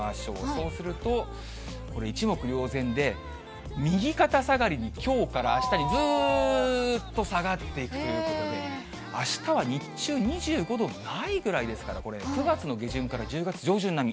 そうすると、これ、一目瞭然で、右肩下がりに、きょうからあしたにずーっと下がっていくということで、あしたは日中、２５度ないぐらいですからこれ、もう秋ですね。